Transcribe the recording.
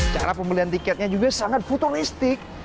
cara pembelian tiketnya juga sangat futuristik